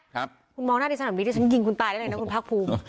คุณมองหน้าดฤทธิศัพท์แบบนี้ดิฉันยิงคุณตายได้เลยนะคุณภักษ์ภูมิ